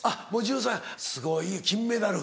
すごい金メダル。